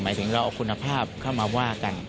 ถึงเราเอาคุณภาพเข้ามาว่ากัน